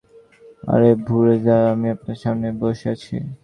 আরে ভুরে ভাই আমি আপনার সামনে বসে আছি।